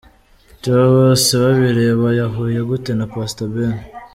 Theo Bosebabireba yahuye gute na Pastor Ben?.